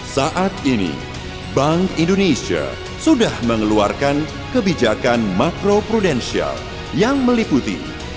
saat ini bank indonesia sudah mengeluarkan kebijakan makro prudensial yang meliputi